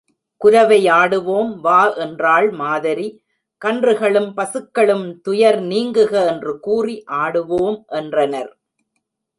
குரவை ஆடுவோம் வா என்றாள் மாதரி, கன்றுகளும் பசுக்களும் துயர் நீங்குக என்று கூறி ஆடுவோம் என்றனர்.